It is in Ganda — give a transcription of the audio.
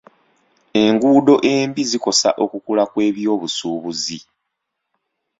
Enguudo embi zikosa okukula kw'ebyobusuubuzi.